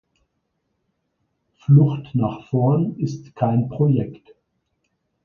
Flucht nach vorn ist kein Projekt!